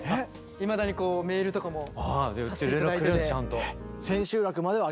いまだにこうメールとかもさせて頂いてて。